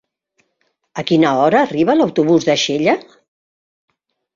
A quina hora arriba l'autobús de Xella?